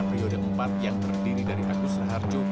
periode empat yang terdiri dari agus raharjo